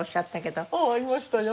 ああありましたよ。